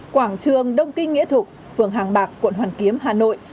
quảng trường đông kinh nghĩa thục phường hàng bạc quận hoàn kiếm hà nội